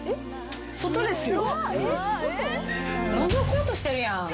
外ですよ。